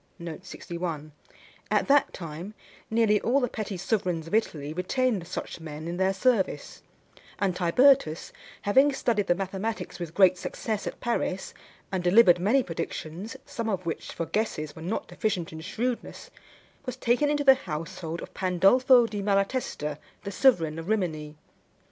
At that time nearly all the petty sovereigns of Italy retained such men in their service; and Tibertus, having studied the mathematics with great success at Paris, and delivered many predictions, some of which, for guesses, were not deficient in shrewdness, was taken into the household of Pandolfo di Malatesta, the sovereign of Rimini.